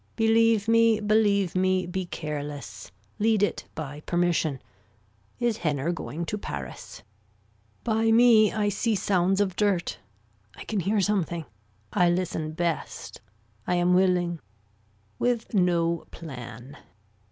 Believe me believe me be careless, lead it by permission. Is Henner going to Paris. By me I see sounds of dirt. I can hear something. I listen best. I am willing. With no plan.